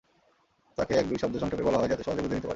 তাকে এক-দুই শব্দে সংক্ষেপে বলা হয়, যাতে সহজেই বুঝে নিতে পারে।